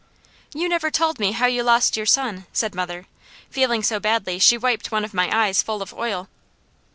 "You never told me how you lost your son," said mother, feeling so badly she wiped one of my eyes full of oil.